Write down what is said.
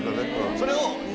それを。